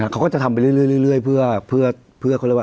เขาก็จะทำไปเรื่อยเพื่อ